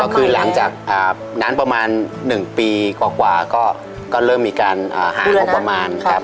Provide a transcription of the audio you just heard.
คือหลังจากนั้นประมาณ๑ปีกว่าก็เริ่มมีการห่างงบประมาณครับ